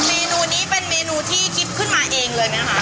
เมนูนี้เป็นเมนูที่กิ๊บขึ้นมาเองเลยไหมคะ